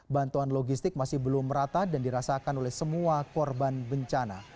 bantuan logistik masih belum merata dan dirasakan oleh semua korban bencana